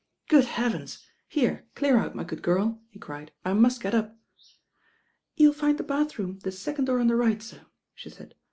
"Good heavens 1 Here, clear out, my good girl," he cried. "I must get up." "You'll find the bath room the second door on the rig^t, sir," she said.